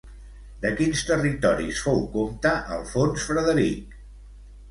De quins territoris fou compte Alfons Frederic?